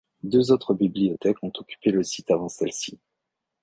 Deux autres bibliothèques ont occupé le site avant celle-ci.